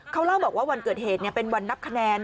เขาเล่าบอกว่าวันเกิดเหตุเป็นวันนับคะแนน